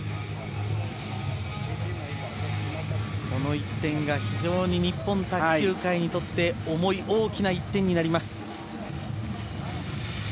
この１点が非常に日本卓球界にとって重い大きな１点になります。